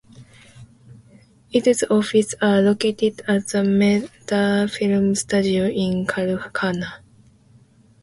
Its offices are located at the Malta Film Studios in Kalkara.